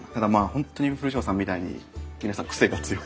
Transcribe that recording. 本当に古荘さんみたいに皆さん癖が強い。